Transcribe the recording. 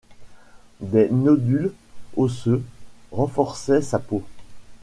Des nodules osseux renforçaient sa peau.